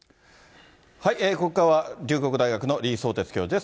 ここからは龍谷大学の李相哲教授です。